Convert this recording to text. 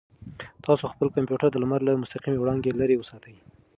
تاسو خپل کمپیوټر د لمر له مستقیمې وړانګې لرې وساتئ.